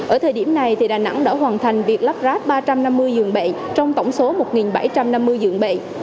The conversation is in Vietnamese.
ở thời điểm này đà nẵng đã hoàn thành việc lắp ráp ba trăm năm mươi giường bệnh trong tổng số một bảy trăm năm mươi dường bệnh